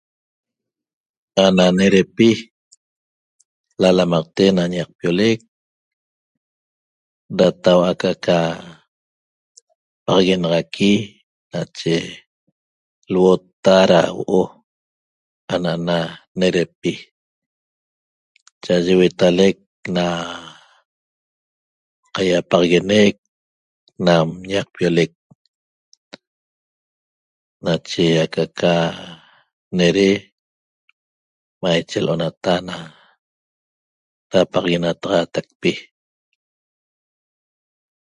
Ana nedepi lalamaqte na ñapiolec da tau'a aca'aca paxaguenaqui nache luotta da huo'o ana'ana nedepi cha'aye huetalec na qaýapaxaguenec nam ñaqpiolec nache aca'aca nede maiche l'onata na dapaxaguenataxaatacpi